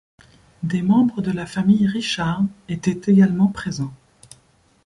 Des membres de la famille Richard étaient également présents.